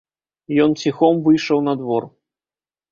Ён ціхом выйшаў на двор.